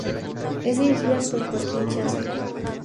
Es dirigida por Joaquín Chasco.